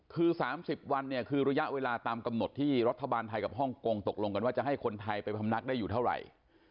คือ๓๐วันเนี่ยคือระยะเวลาตามกำหนดที่รัฐบาลไทยกับฮ่องกงตกลงกันว่าจะให้คนไทยไปพำนักได้อยู่เท่าไหร่